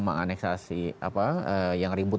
menganeksasi yang ribut